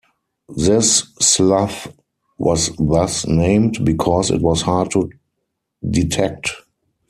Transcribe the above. This slough was thus named, because it was hard to detect.